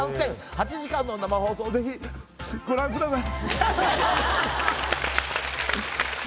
８時間の生放送ぜひご覧ください。